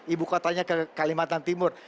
ibu kotanya ke kalimantan timur